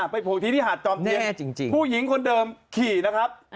โผล่ที่หาดจอมเทียนผู้หญิงคนเดิมขี่นะครับ